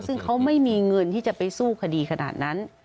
ซึ่งเขาไม่มีเงินที่จะไปสู้คดีขนาดนั้น